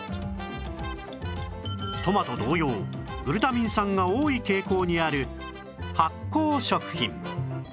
トマト同様グルタミン酸が多い傾向にある発酵食品